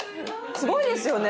すごいですよね